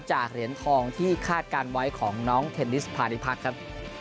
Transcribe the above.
เหรียญทองที่คาดการณ์ไว้ของน้องเทนนิสพาณิพักษ์ครับ